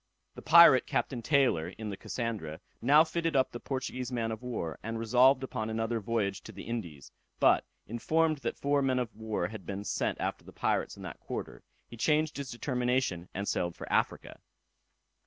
The pirate, Captain Taylor, in the Cassandra, now fitted up the Portuguese man of war, and resolved upon another voyage to the Indies; but, informed that four men of war had been sent after the pirates in that quarter, he changed his determination, and sailed for Africa.